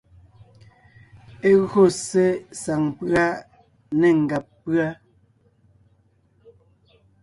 E gÿo ssé saŋ pʉ́a né ngàb pʉ́a.